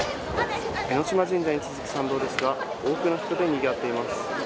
江島神社に続く参道ですが多くの人でにぎわっています。